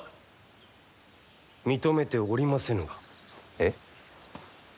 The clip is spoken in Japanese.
えっ。